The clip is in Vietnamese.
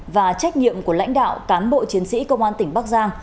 và trách nhiệm của lãnh đạo cán bộ chiến sĩ công an tỉnh bắc giang